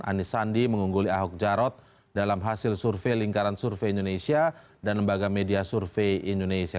anies sandi mengungguli ahok jarot dalam hasil survei lingkaran survei indonesia dan lembaga media survei indonesia